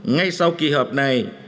ngay sau kỳ họp này